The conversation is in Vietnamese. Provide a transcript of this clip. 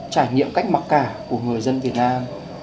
trải nghiệm cách mặc cả của người dân việt nam